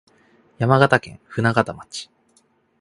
山形県舟形町